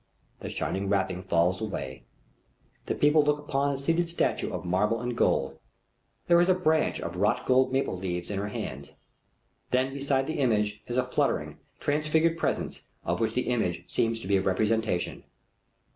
The shining wrapping falls away. The people look upon a seated statue of marble and gold. There is a branch of wrought gold maple leaves in her hands. Then beside the image is a fluttering transfigured presence of which the image seems to be a representation.